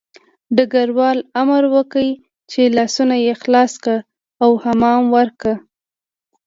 ډګروال امر وکړ چې لاسونه یې خلاص کړه او حمام ورکړه